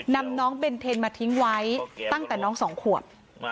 นำน้องเบนเทนมาทิ้งไว้ตั้งแต่น้องสองขวบ